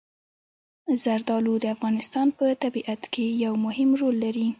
زردالو د افغانستان په طبیعت کې یو مهم رول لري.